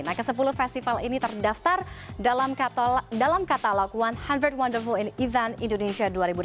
nah kesepuluh festival ini terdaftar dalam katalog seratus wonderful events indonesia dua ribu delapan belas